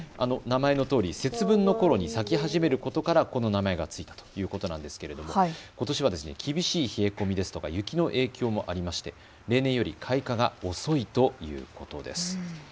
名前のとおり節分のころに咲き始めることからこの名前がついたということなんですがことしは厳しい冷え込みですとか雪の影響もありまして例年より開花が遅いということです。